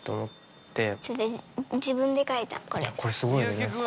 いやこれすごいよね。